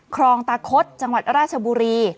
คลองตาคดจังหวัดราชบุรี